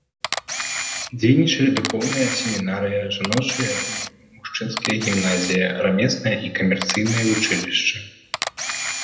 Дзейнічалі духоўная семінарыя, жаночыя і мужчынскія гімназіі, рамеснае і камерцыйнае вучылішчы.